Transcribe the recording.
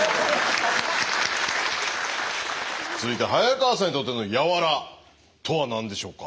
続いて早川さんにとっての柔とは何でしょうか？